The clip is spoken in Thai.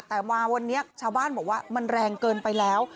แต่มาวันนี้ชาวบ้านบอกว่ามันแรงเกินไปแล้ว